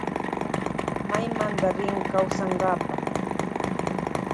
Maymanta rin kausankapa.